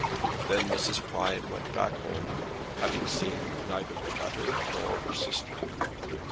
Then Mrs. Prime went back home, having seen neither the letter nor her sister.